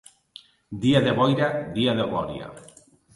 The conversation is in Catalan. Dia de boira, dia de glòria.